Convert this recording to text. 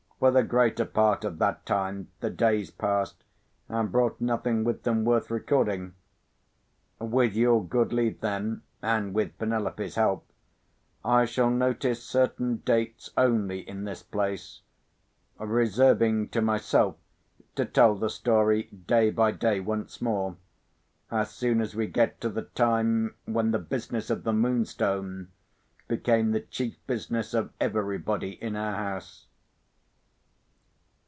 For the greater part of that time the days passed, and brought nothing with them worth recording. With your good leave, then, and with Penelope's help, I shall notice certain dates only in this place; reserving to myself to tell the story day by day, once more, as soon as we get to the time when the business of the Moonstone became the chief business of everybody in our house.